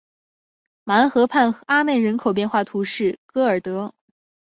马恩河畔阿内人口变化图示戈尔德